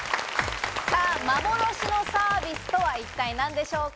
幻のサービスとは一体何でしょうか？